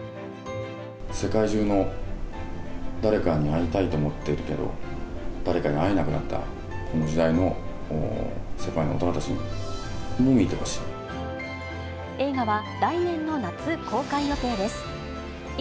世界中の誰かに会いたいと思っているけど、誰かに会えなくなったこの時代の世界の大人たちにも見てほしい。